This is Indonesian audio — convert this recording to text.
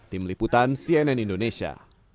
tim liputan cnn indonesia